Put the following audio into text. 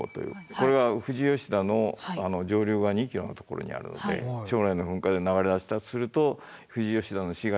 これは富士吉田の上流側２ｋｍのところにあるので将来の噴火で流れ出したとすると富士吉田の市街地まで２時間で到達する。